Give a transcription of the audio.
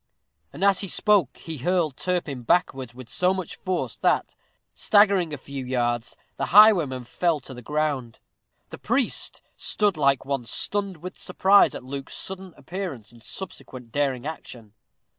And as he spoke he hurled Turpin backwards with so much force that, staggering a few yards, the highwayman fell to the ground. The priest stood like one stunned with surprise at Luke's sudden appearance and subsequent daring action.